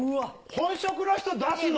本職の人出すの？